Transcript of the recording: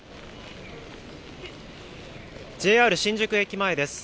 ＪＲ新宿駅前です。